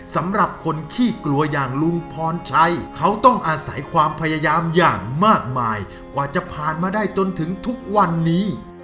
สำหรับคนขี้กลัวอย่างลุงพรชัยเขาต้องอาศัยความพยายามอย่างมากมายกว่าจะผ่านมาได้จนถึงทุกวันนี้